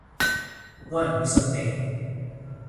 冇人會信你